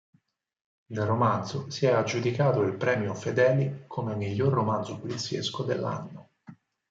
Il romanzo si è aggiudicato il Premio Fedeli come miglior romanzo poliziesco dell'anno.